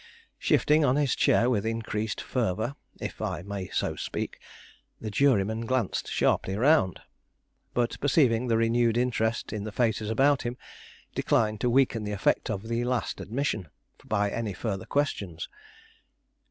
Shifting on his chair with increased fervor, if I may so speak, the juryman glanced sharply around. But perceiving the renewed interest in the faces about him, declined to weaken the effect of the last admission, by any further questions.